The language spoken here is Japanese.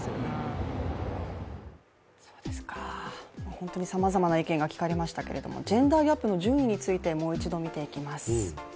本当にさまざまな意見が聞かれましたけれどもジェンダーギャップの順位についてもう一度見ていきます。